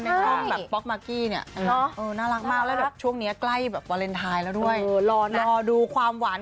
ช่องแบบป๊อกมากกี้เนี่ยน่ารักมากแล้วแบบช่วงนี้ใกล้แบบวาเลนไทยแล้วด้วยรอดูความหวาน